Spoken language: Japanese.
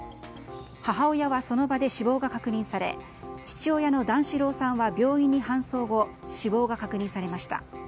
母親はその場で死亡が確認され父親の段四郎さんは病院に搬送後死亡が確認されました。